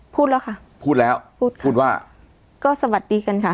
พูดแล้วค่ะพูดแล้วพูดค่ะพูดว่าก็สวัสดีกันค่ะ